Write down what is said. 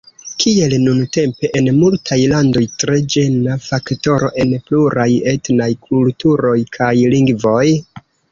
Kiel nuntempe en multaj landoj: tre ĝena faktoro en pluraj etnaj kulturoj kaj lingvoj?